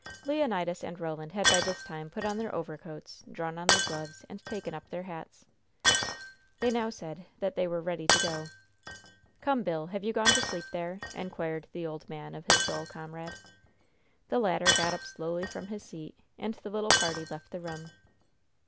Leonidas and Roland had by this time put on their overcoats, drawn on their gloves and taken up their hats. They now said that they were ready to go. "Come, Bill. Have you gone to sleep there?" inquired the old man of his dull comrade. The latter got up slowly from his seat, and the little party left the room.